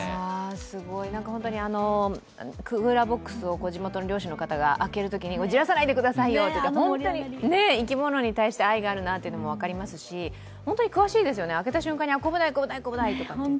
すごい、本当にクーラーボックスを地元の漁師さんが開けるときに「じらさないでくださいよ」とか生き物に対して愛があるのが分かりますし本当に詳しいですよね、開けた瞬間にコブダイ、コブダイ！とか。